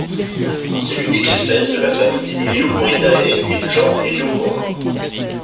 C'est l'unique espèce de la famille des Helioporidae et du genre Heliopora.